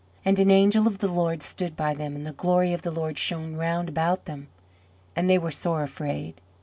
And an angel of the Lord stood by them and the glory of the Lord shone round about them: and they were sore afraid.